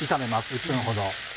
１分ほど。